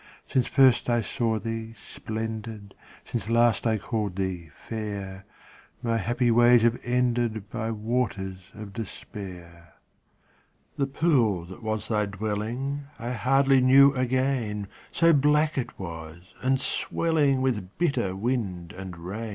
Since first I saw thee splendid, Since last I called thee fair, My happy ways have ended By waters of despair. The pool that was thy dwelling I hardly knew again, So black it was, and swelling With bitter wind and rain.